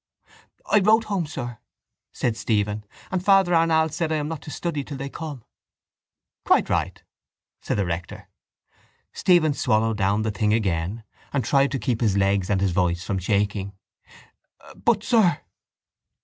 —I wrote home, sir, said Stephen, and Father Arnall said I am not to study till they come. —Quite right! said the rector. Stephen swallowed down the thing again and tried to keep his legs and his voice from shaking. —But, sir...